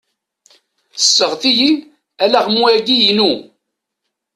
Sseɣti-yi alaɣmu-agi-inu.